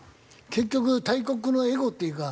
結局大国のエゴっていうか。